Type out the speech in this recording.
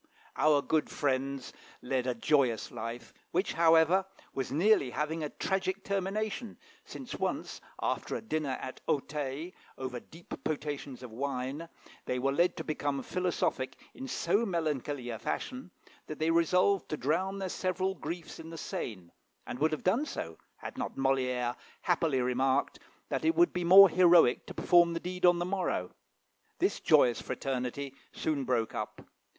Our good friends led a joyous life, which, however, was nearly having a tragic termination, since once, after a dinner at Auteuil, over deep potations of wine, they were led to become philosophic in so melancholy a fashion, that they resolved to drown their several griefs in the Seine, and would have done so, had not Molière happily remarked that it would be more heroic to perform the deed on the morrow. This joyous fraternity soon broke up.